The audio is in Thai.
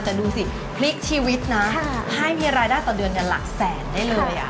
แต่ดูสิพลิกชีวิตนะให้มีรายได้ต่อเดือนหลักแสนได้เลย